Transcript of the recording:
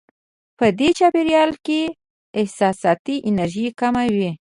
په دې چاپېریال کې احساساتي انرژي کمه وي.